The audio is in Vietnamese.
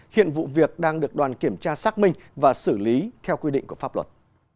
hiện vụ việc đang được đoàn kiểm tra xác minh và xử lý theo quy định của pháp luật